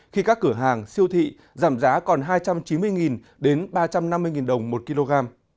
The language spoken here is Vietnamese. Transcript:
khi các cửa hàng siêu thị giảm giá còn hai trăm chín mươi đến ba trăm năm mươi đồng một kg